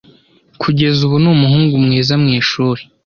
Kugeza ubu ni umuhungu mwiza mu ishuri.